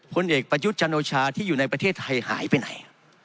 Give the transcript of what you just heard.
เอกประยุทธ์จันโอชาที่อยู่ในประเทศไทยหายไปไหน